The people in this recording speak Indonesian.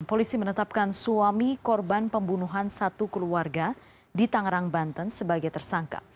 polisi menetapkan suami korban pembunuhan satu keluarga di tangerang banten sebagai tersangka